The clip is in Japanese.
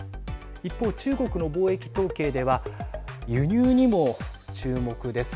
一方、中国の貿易統計では輸入にも注目です。